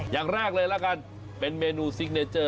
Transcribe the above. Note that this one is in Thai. อย่างแรกเลยละกันเป็นเมนูซิกเนเจอร์